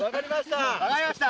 分かりました。